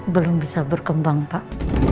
belum bisa berkembang pak